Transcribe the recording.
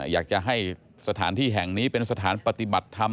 อยากจะให้สถานที่แห่งนี้เป็นสถานปฏิบัติธรรม